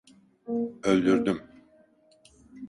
Öldürdüm.